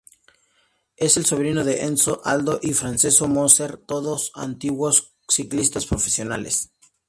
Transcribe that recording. Es el sobrino de Enzo, Aldo y Francesco Moser, todos antiguos ciclistas profesionales.